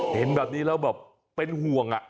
เห็นแบบนี้แล้วแบบเป็นห่วง